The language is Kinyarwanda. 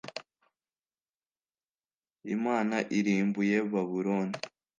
imana irimbuye babylon